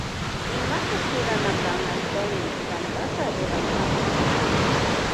Imata churana kan Antonio Tantata rurankapa.